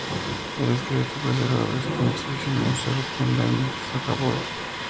El esqueleto preservado está en exhibición en el Museo Rotunda en Scarborough.